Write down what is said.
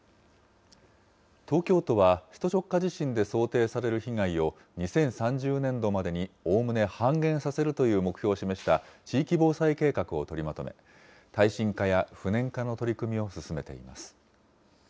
東京都は、首都直下地震で想定される被害を、２０３０年度までにおおむね半減させるという目標を示した地域防災計画を取りまとめ、耐震化や不燃化の取り組みを進めています。